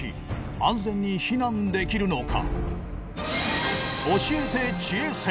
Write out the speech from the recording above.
安全に避難できるのか？